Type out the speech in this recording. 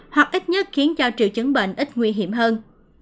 hoặc ít nhất khiến cho triệu chứng bệnh ít nguy hiểm hơn